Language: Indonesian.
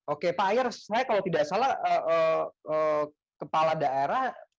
oke pak ayer saya kalau tidak salah kepala daerah